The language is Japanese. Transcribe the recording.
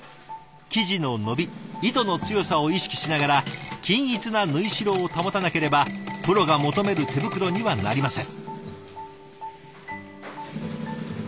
生地の伸び糸の強さを意識しながら均一な縫い代を保たなければプロが求める手袋にはなりません。